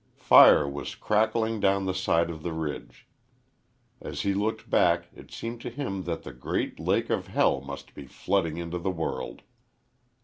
Fire was crackling down the side of the ridge. As he looked back it seemed to him that the great lake of hell must be flooding into the world.